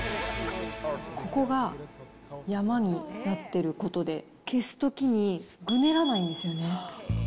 ここが山になってることで、消すときにぐねらないんですよね。